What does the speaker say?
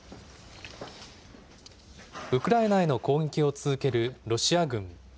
ウクライナへの攻撃を続けるロシア軍。